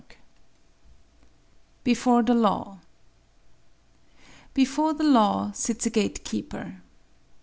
Before the Law Before the law sits a gatekeeper.